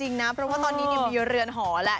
จริงนะเพราะว่าตอนนี้มีเรือนหอแหละ